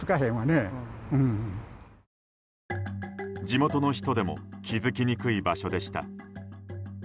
地元の人でも気づきにくい場所でした。